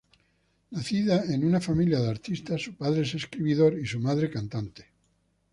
Nacida en una familia de artistas, su padre es escritor y su madre cantante.